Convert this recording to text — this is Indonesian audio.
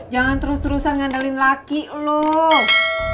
jangan terus terusan ngandalin laki loh